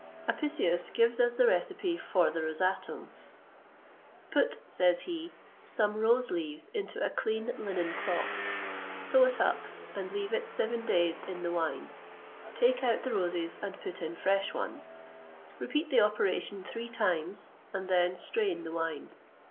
[XXVIII 127] Apicius gives us the recipe for the Rosatum: "Put," says he, "some rose leaves into a clean linen cloth; sew it up, and leave it seven days in the wine; take out the roses, and put in fresh ones; repeat the operation three times, and then strain the wine.